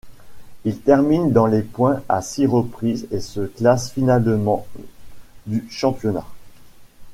Il termine dans les points à six reprises et se classe finalement du championnat.